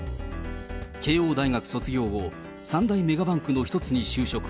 慶應大学卒業後、３大メガバンクの一つに就職。